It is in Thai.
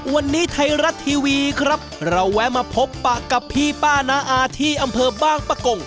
วันนี้ไทยรัฐทีวีครับเราแวะมาพบปะกับพี่ป้าน้าอาที่อำเภอบางปะกง